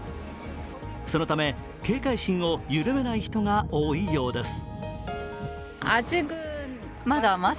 そのため警戒心を緩めない人が多いようです。